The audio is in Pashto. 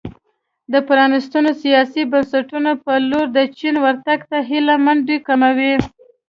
د پرانیستو سیاسي بنسټونو په لور د چین ورتګ ته هیله مندي کموي.